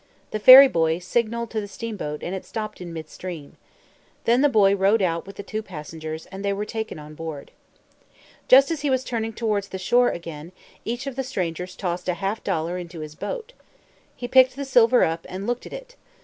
The ferry boy signalled to the steamboat and it stopped in midstream. Then the boy rowed out with the two passengers, and they were taken on board. Just as he was turning towards the shore again, each of the strangers tossed a half dollar into his boat. He picked the silver up and looked at it.